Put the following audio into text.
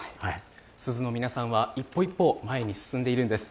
珠洲の皆さんは一歩一歩前に進んでいるんです。